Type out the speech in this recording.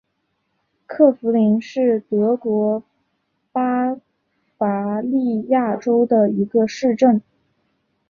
克弗灵是德国巴伐利亚州的一个市镇。